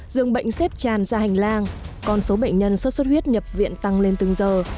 dường bệnh xếp tràn ra hành lang con số bệnh nhân sốt xuất huyết nhập viện tăng lên từng giờ